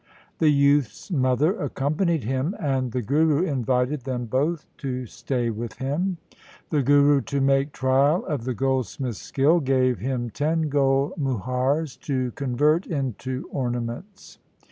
The youth's mother accompanied him, and the Guru invited them both to stay with him. The Guru, to make trial of the goldsmith's skill, gave him ten gold muhars to convert into ornaments.